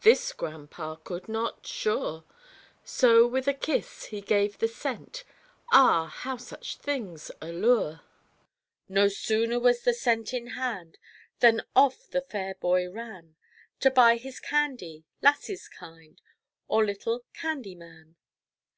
This grandpa could not, sure. So with a kiss he gave the cent Ah, how such things allure! No sooner was the cent in hand, Than off the fair boy ran To buy his candy, "'lasses kind," Or little "candy man."